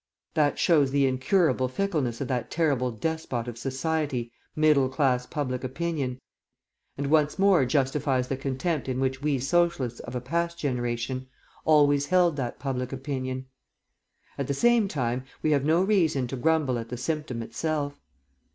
That shows the incurable fickleness of that terrible despot of "society," middle class public opinion, and once more justifies the contempt in which we Socialists of a past generation always held that public opinion. At the same time, we have no reason to grumble at the symptom itself.